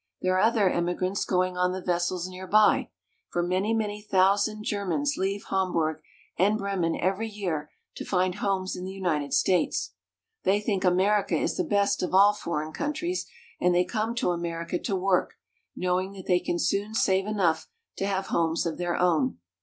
There are other emi grants going on the vessels near by, for many, many thou sand Germans leave Hamburg and Bremen every year "— this quaint old city of Bremen." to find homes in the United States. They think America is the best of all foreign countries, and they come to America to work, knowing that they can soon save enough to have homes of their own.